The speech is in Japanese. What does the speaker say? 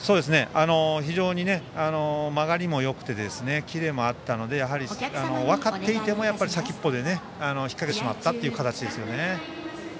非常に曲がりもよくてキレもあったので分かっていても先っぽで引っ掛けてしまった形でしたよね。